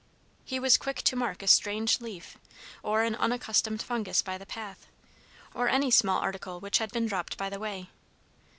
He was quick to mark a strange leaf, or an unaccustomed fungus by the path, or any small article which had been dropped by the way.